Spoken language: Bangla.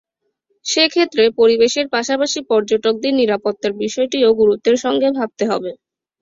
সে ক্ষেত্রে পরিবেশের পাশাপাশি পর্যটকদের নিরাপত্তার বিষয়টিও গুরুত্বের সঙ্গে ভাবতে হবে।